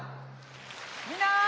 みんな！